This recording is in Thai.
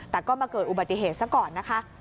แต่ก็มาเกิดอุบัติเหตุซะก่อนนะคะ